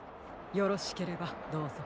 よろしければどうぞ。